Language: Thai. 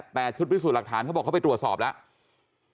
แต่ถึงริสุภีรสูตรหลักฐานเขาบอกเขาไปตรวจสอบแล้ว